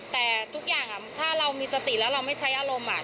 แต่ทุกอย่างถ้าเรามีสติแล้วเราไม่ใช้อารมณ์